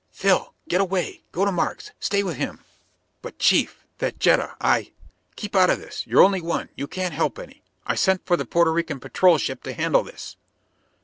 "Phil, you get away! Go to Markes. Stay with him." "But Chief, that Jetta, I " "Keep out of this! You're only one; you can't help any! I've sent for the Porto Rican patrol ship to handle this."